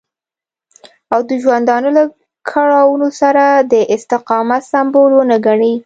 او د ژوندانه له کړاوونو سره د استقامت سمبول ونه ګڼي.